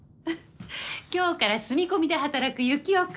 今日から住み込みで働くユキオ君。